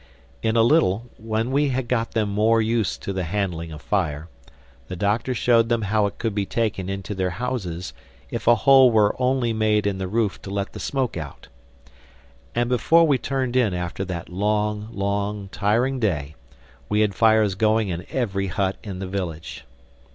In a little, when we had got them more used to the handling of fire, the Doctor showed them how it could be taken into their houses if a hole were only made in the roof to let the smoke out. And before we turned in after that long, long, tiring day, we had fires going in every hut in the village.